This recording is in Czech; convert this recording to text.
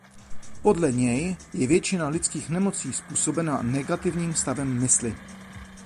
Podle něj je většina lidských nemocí způsobena negativním stavem mysli.